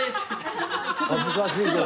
恥ずかしいけど。